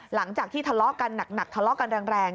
หลังจากที่ทะเลาะกันหนักทะเลาะกันแรง